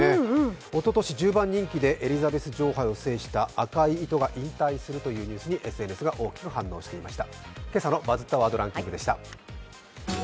おととし、１０番人気でエリザベス女王杯を制したアカイイトが引退するというニュースにＳＮＳが大きく反応していました。